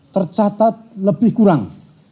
tercatat lebih kurang